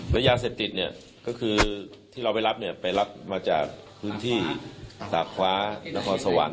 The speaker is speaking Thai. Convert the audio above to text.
แล้วยาเสพติดเนี่ยก็คือที่เราไปรับเนี่ยไปรับมาจากพื้นที่ตากคว้านครสวรรค